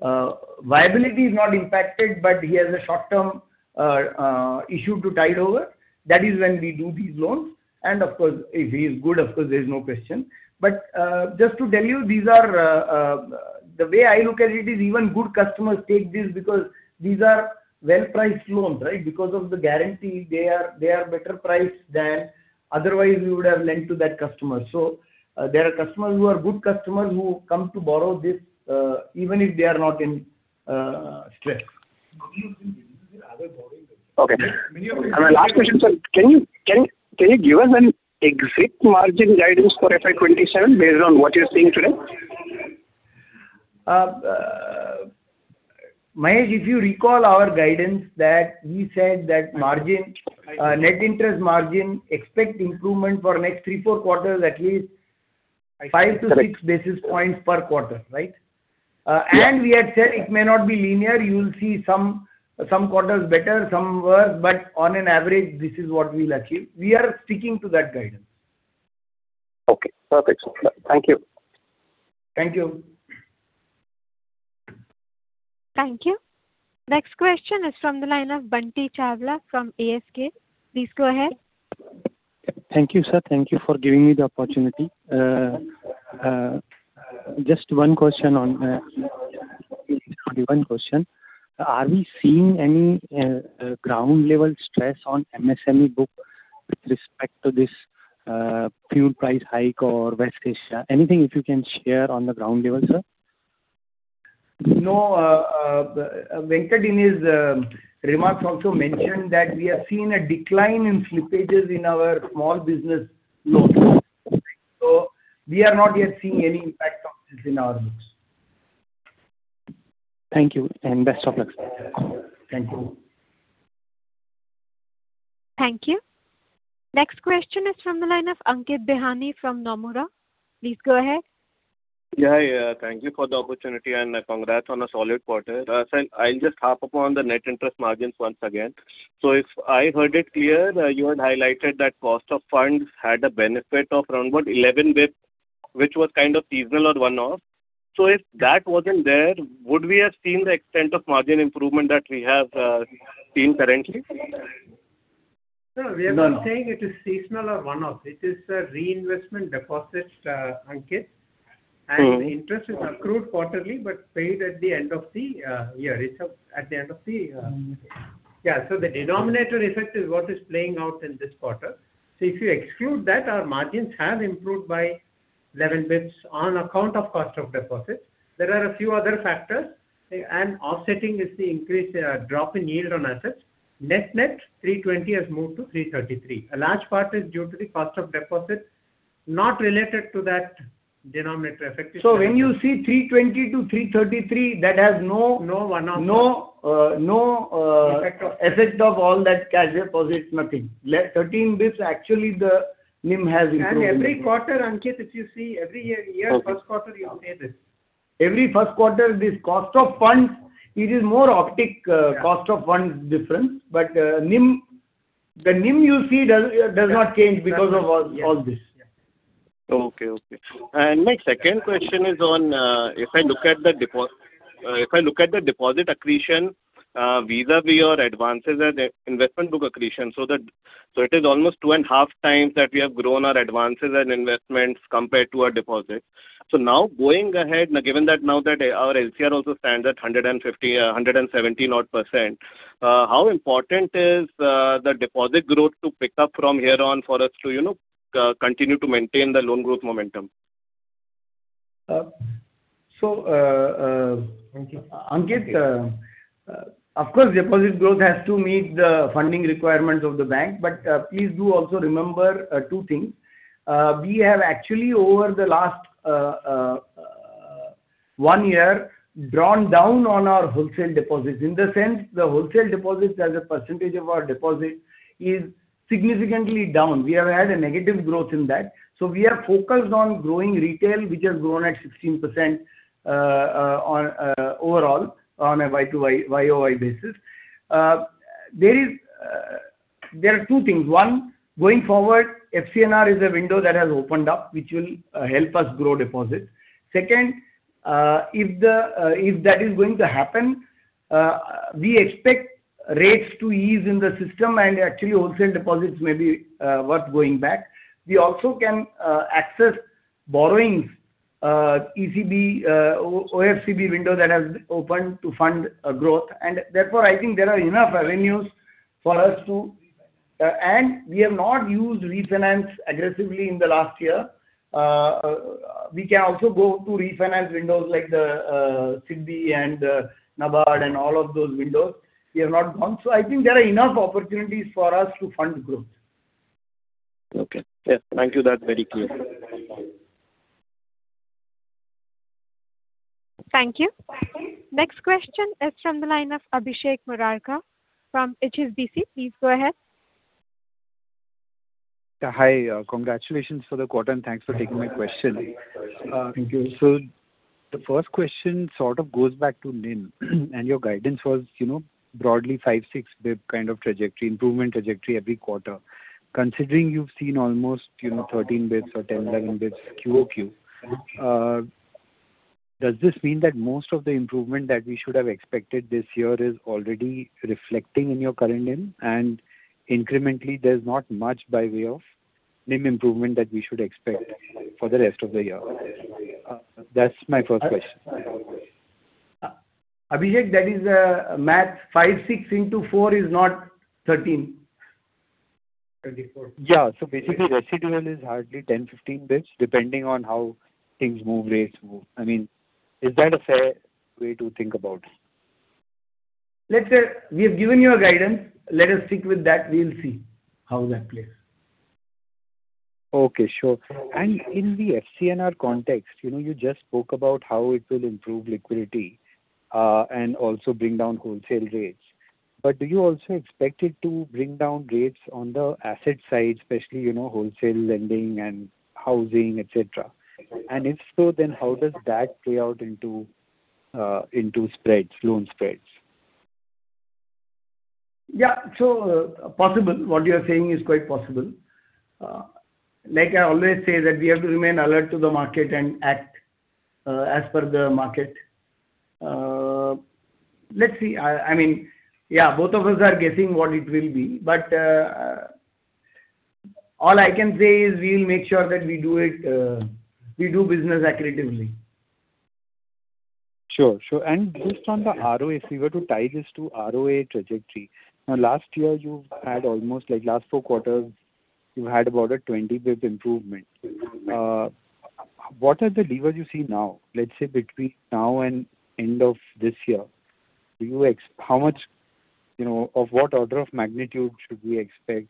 viability is not impacted but he has a short-term issue to tide over, that is when we do these loans. Of course, if he is good, of course, there's no question. Just to tell you, the way I look at it is even good customers take this because these are well-priced loans, right? Because of the guarantee, they are better priced than otherwise we would have lent to that customer. There are customers who are good customers who come to borrow this, even if they are not in stress. My last question, sir. Can you give us an exact margin guidance for FY 2027 based on what you're seeing today? Mahesh, if you recall our guidance that we said that net interest margin, expect improvement for next three, four quarters at least 5-6 basis points per quarter, right? Yes. We had said it may not be linear. You will see some quarters better, some worse, but on an average, this is what we'll achieve. We are sticking to that guidance. Okay, perfect, sir. Thank you. Thank you. Thank you. Next question is from the line of Bunty Chawla from ASK. Please go ahead. Thank you, sir. Thank you for giving me the opportunity. Just one question. Are we seeing any ground-level stress on MSME book with respect to this fuel price hike or West Asia? Anything if you can share on the ground level, sir. No, Venkat in his remarks also mentioned that we are seeing a decline in slippages in our small business loans. We are not yet seeing any impact of this in our books. Thank you. Best of luck, sir. Thank you. Thank you. Next question is from the line of Ankit Bihani from Nomura. Please go ahead. Yeah. Thank you for the opportunity and congrats on a solid quarter. Sir, I'll just hop upon the net interest margins once again. If I heard it clear, you had highlighted that cost of funds had a benefit of around what, 11, which was kind of seasonal or one-off. If that wasn't there, would we have seen the extent of margin improvement that we have seen currently? No, we are not saying it is seasonal or one-off. It is a reinvestment deposit, Ankit. The interest is accrued quarterly but paid at the end of the year. Yeah. The denominator effect is what is playing out in this quarter. If you exclude that, our margins have improved by 11 basis points on account of cost of deposits. There are a few other factors, and offsetting is the increase, drop in yield on assets. Net net, 320 has moved to 333. A large part is due to the cost of deposits, not related to that denominator effect. When you see 320-333, that has no- No one-off. no effect of all that cash deposit, nothing. 13 basis, actually the NIM has improved. Every quarter, Ankit, if you see every year first quarter you will say this. Every first quarter, this cost of funds, it is more optic cost of funds difference, NIM you see does not change because of all this. Okay. My second question is on, if I look at the deposit accretion vis-à-vis your advances and investment book accretion, it is almost 2.5x that we have grown our advances and investments compared to our deposits. Going ahead, given that our LCR also stands at 115%-117% odd, how important is the deposit growth to pick up from here on for us to continue to maintain the loan growth momentum? Ankit, of course, deposit growth has to meet the funding requirements of the bank. Please do also remember two things. We have actually over the last one year, drawn down on our wholesale deposits. In the sense the wholesale deposits as a percentage of our deposit is significantly down. We have had a negative growth in that. We are focused on growing retail, which has grown at 16% overall on a YOY basis. There are two things. One, going forward, FCNR is a window that has opened up, which will help us grow deposits. Second, if that is going to happen, we expect rates to ease in the system and actually wholesale deposits may be worth going back. We also can access borrowings, ECB, OFCB window that has opened to fund growth. Therefore, I think there are enough avenues for us to and we have not used refinance aggressively in the last year. We can also go to refinance windows like the SIDBI and NABARD and all of those windows we have not gone. I think there are enough opportunities for us to fund growth. Okay. Yes. Thank you. That's very clear. Thank you. Next question is from the line of Abhishek Murarka from HSBC. Please go ahead. Hi. Congratulations for the quarter and thanks for taking my question. Thank you. The first question sort of goes back to NIM, and your guidance was broadly 5-6 basis point kind of trajectory, improvement trajectory every quarter. Considering you've seen almost 13 basis points or 10 basis points QOQ, does this mean that most of the improvement that we should have expected this year is already reflecting in your current NIM and incrementally, there's not much by way of NIM improvement that we should expect for the rest of the year? That's my first question. Abhishek, that is a math. five, six into four is not 13. Yeah. Basically residual is hardly 10-15 basis points, depending on how things move, rates move. I mean, is that a fair way to think about? Let's say we have given you a guidance, let us stick with that. We'll see how that plays. Okay. Sure. In the FCNR context, you just spoke about how it will improve liquidity, also bring down wholesale rates. Do you also expect it to bring down rates on the asset side, especially, wholesale lending and housing, et cetera? If so, how does that play out into spreads, loan spreads? Yeah. Possible. What you are saying is quite possible. Like I always say that we have to remain alert to the market and act as per the market. Let's see. I mean, yeah, both of us are guessing what it will be, all I can say is we'll make sure that we do business accretively. Sure. Just on the ROA, if we were to tie this to ROA trajectory. Last year you've had almost, like last four quarters, you've had about a 20 basis points improvement. What are the levers you see now, let's say between now and end of this year? Of what order of magnitude should we expect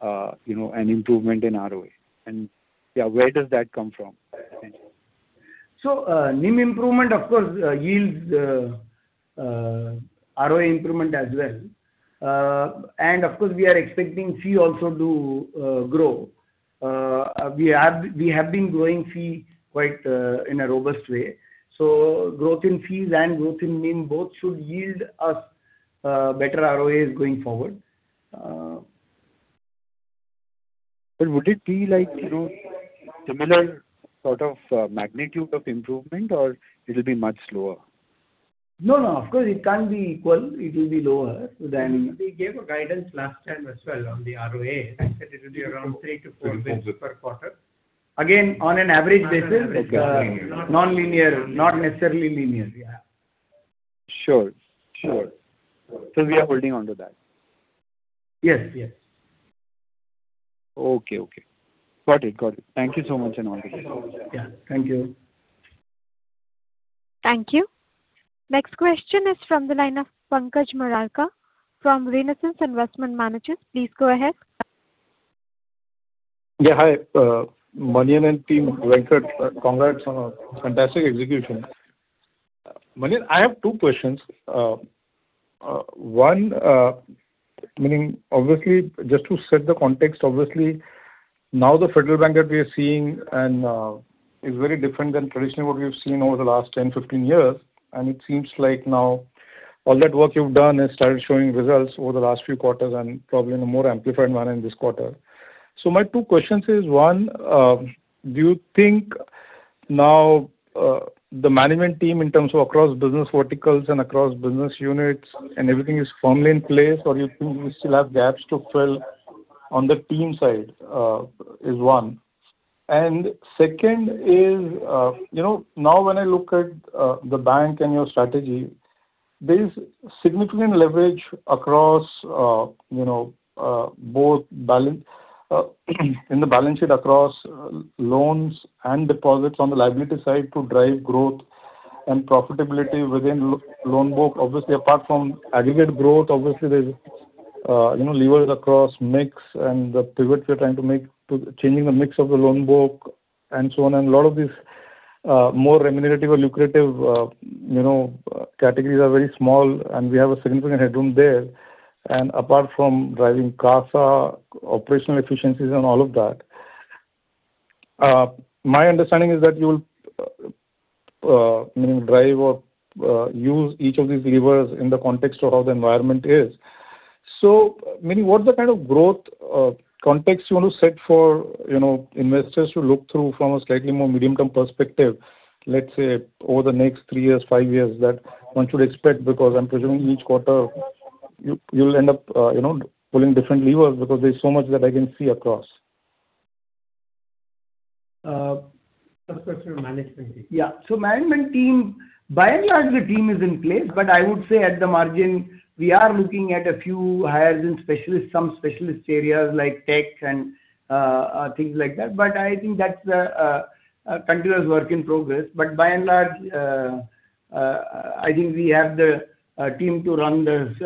an improvement in ROA? Yeah, where does that come from? Thank you. NIM improvement, of course, yields ROA improvement as well. Of course, we are expecting fee also to grow. We have been growing fee quite in a robust way. Growth in fees and growth in NIM both should yield us better ROAs going forward. Would it be like similar sort of magnitude of improvement or it'll be much slower? No, of course it can't be equal. It will be lower than- We gave a guidance last time as well on the ROA, that it will be around 3-4 basis points per quarter. On an average basis, it's non-linear, not necessarily linear. Sure. We are holding onto that. Yes. Okay. Got it. Thank you so much and all the best. Yeah. Thank you. Thank you. Next question is from the line of Pankaj Murarka from Renaissance Investment Managers. Please go ahead. Yeah. Hi, Manian and team. Venkat. Congrats on a fantastic execution. Manian, I have two questions. One, meaning obviously just to set the context. Now the Federal Bank that we are seeing is very different than traditionally what we've seen over the last 10, 15 years, and it seems like now all that work you've done has started showing results over the last few quarters and probably in a more amplified manner in this quarter. My two questions is. One, do you think now the management team in terms of across business verticals and across business units and everything is firmly in place, or you think you still have gaps to fill on the team side? Is one. Second is, now when I look at the bank and your strategy, there's significant leverage in the balance sheet across loans and deposits on the liability side to drive growth and profitability within loan book. Obviously, apart from aggregate growth, obviously there's levers across mix and the pivots you're trying to make to changing the mix of the loan book and so on. A lot of these more remunerative or lucrative categories are very small, and we have a significant headroom there. Apart from driving CASA operational efficiencies and all of that, my understanding is that you'll drive or use each of these levers in the context of how the environment is. Maybe what's the kind of growth context you want to set for investors to look through from a slightly more medium-term perspective, let's say over the next three years, five years that one should expect? Because I'm presuming each quarter you'll end up pulling different levers because there's so much that I can see across. First question management. Yeah. Management team, by and large, the team is in place, but I would say at the margin, we are looking at a few hires in some specialist areas like tech and things like that. But I think that's a continuous work in progress. But by and large, I think we have the team to run this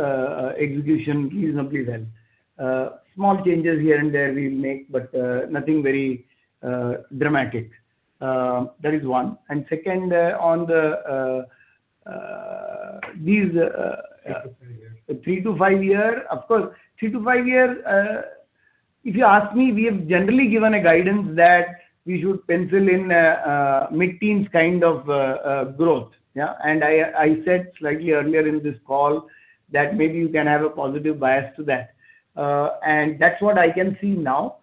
execution reasonably well. Small changes here and there we'll make, but nothing very dramatic. That is one. Three to five years. Of course. Three to five years, if you ask me, we have generally given a guidance that we should pencil in mid-teens kind of growth. Yeah. I said slightly earlier in this call that maybe you can have a positive bias to that. That's what I can see now.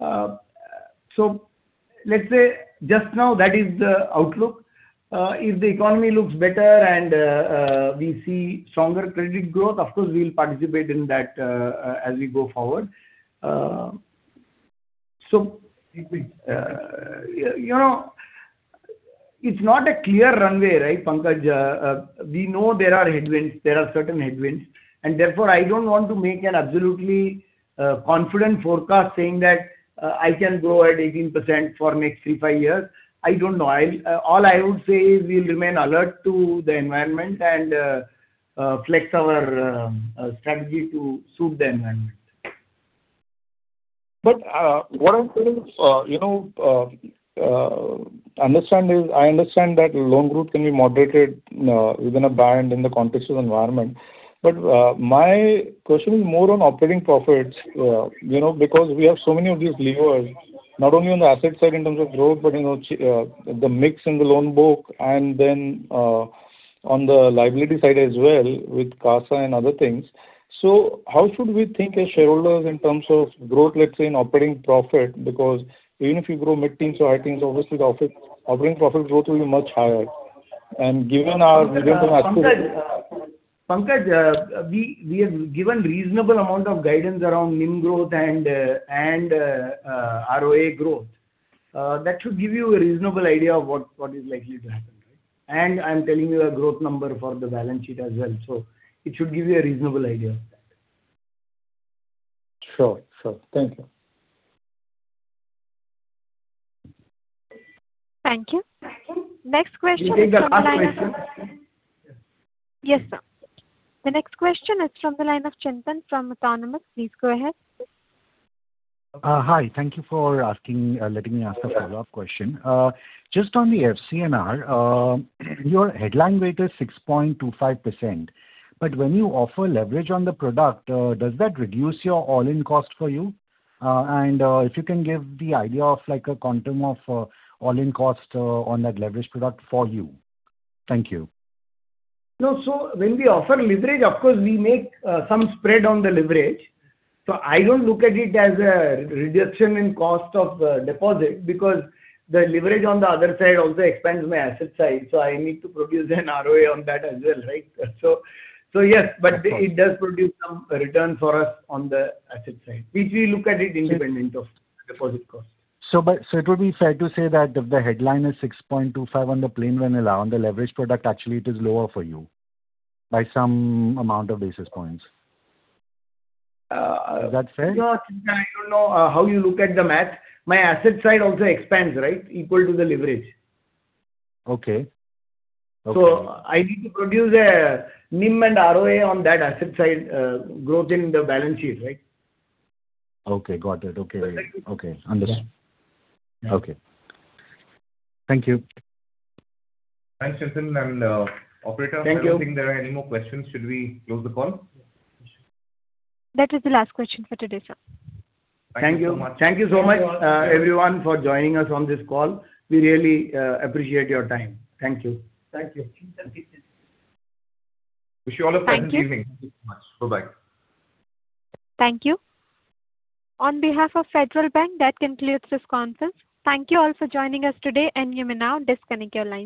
Let's say just now that is the outlook. If the economy looks better and we see stronger credit growth, of course we'll participate in that as we go forward. It's not a clear runway, right, Pankaj? We know there are headwinds, there are certain headwinds, therefore, I don't want to make an absolutely confident forecast saying that I can grow at 18% for next three, five years. I don't know. All I would say is we'll remain alert to the environment and flex our strategy to suit the environment. What I'm saying is, I understand that loan growth can be moderated within a band in the context of environment. My question is more on operating profits because we have so many of these levers, not only on the asset side in terms of growth, but the mix in the loan book and then on the liability side as well with CASA and other things. How should we think as shareholders in terms of growth, let's say, in operating profit? Because even if you grow mid-teens or high teens, obviously the operating profit growth will be much higher. Given our- Pankaj, we have given reasonable amount of guidance around NIM growth and ROA growth. That should give you a reasonable idea of what is likely to happen. Right? I'm telling you a growth number for the balance sheet as well. It should give you a reasonable idea of that. Sure. Thank you. Thank you. Next question from the line of. You take the last question. Yes, sir. The next question is from the line of Chintan from Autonomous. Please go ahead. Hi. Thank you for letting me ask a follow-up question. Just on the FCNR, your headline rate is 6.25%, but when you offer leverage on the product, does that reduce your all-in cost for you? If you can give the idea of a quantum of all-in cost on that leverage product for you. Thank you. No. When we offer leverage, of course, we make some spread on the leverage. I don't look at it as a reduction in cost of deposit because the leverage on the other side also expands my asset side. I need to produce an ROA on that as well, right? Yes, but it does produce some return for us on the asset side, which we look at it independent of deposit cost. It would be fair to say that if the headline is 6.25% on the plain vanilla, on the leverage product, actually it is lower for you by some amount of basis points. Is that fair? No. I don't know how you look at the math. My asset side also expands, right? Equal to the leverage. Okay. I need to produce a NIM and ROA on that asset side growth in the balance sheet, right? Okay. Got it. Okay. Understood. Okay. Thank you. Thanks, Chintan. Operator. Thank you. I don't think there are any more questions. Should we close the call? That is the last question for today, sir. Thank you. Thank you so much. Thank you so much everyone for joining us on this call. We really appreciate your time. Thank you. Thank you. Wish you all a pleasant evening. Thank you so much. Bye-bye. Thank you. On behalf of Federal Bank, that concludes this conference. Thank you all for joining us today and you may now disconnect your lines.